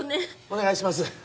お願いします